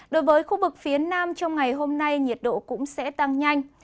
đối với khu vực phía nam trong ngày hôm nay nhiệt độ cũng sẽ tăng nhanh